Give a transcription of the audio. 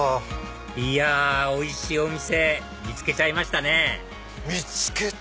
いやおいしいお店見つけちゃいましたね見つけた！